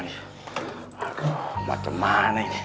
aduh macem mana ini